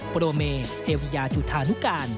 โปโดเมเวียจุธานุกาล